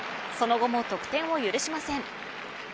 その後も得点を許しません。